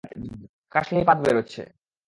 কাসলেই পাদ বেরাচ্ছে।